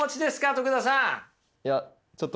徳田さん。